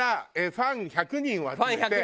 ファン１００人集めて。